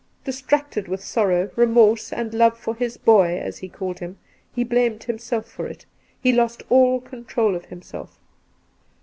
Distracted with sorrow, remorse, and love for ' his boy,' as he called him, he blamed himself for it. He lost all control of him self.